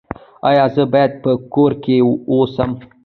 ایا زه باید په کور کې اوسم؟